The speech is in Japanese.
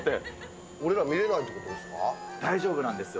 俺ら、大丈夫なんですよ。